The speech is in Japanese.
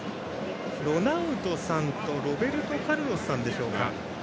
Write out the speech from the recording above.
ロナウドさんとロベルト・カルロスさんか。